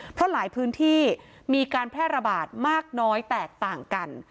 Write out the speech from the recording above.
เพราะหลายพื้นที่มีการแพร่ระบาดมากน้อยแตกต่างกัน